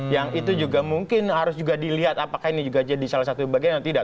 yang itu juga mungkin harus juga dilihat apakah ini juga jadi salah satu bagian atau tidak